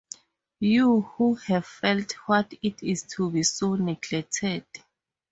You who have felt what it is to be so neglected!